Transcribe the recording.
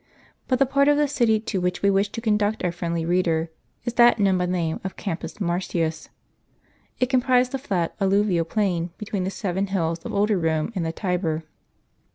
But the part of the city to which we wish to conduct our friendly reader is that know^n by the name of the Campus Mar tins. It comiDrised the flat alluvial plain betw^een the seven hills of older Rome and the Tiber.